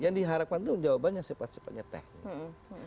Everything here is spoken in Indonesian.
yang diharapkan itu jawabannya sepat sepatnya teknis